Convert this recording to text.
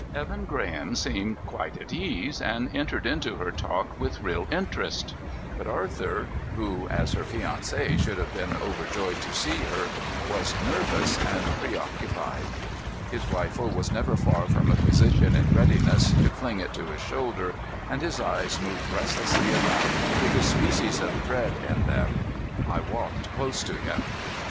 Evan Graham seemed quite at ease and entered into her talk with real interest, but Arthur who as her fiancé should have been overjoyed to see her was nervous and preoccupied. His rifle was never far from a position in readiness to fling it to his shoulder, and his eyes roved restlessly about with a species of dread in them. I walked close to him.